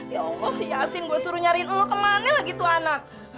ya allah si yasin gua suruh nyariin lu kemane lagi tuh anak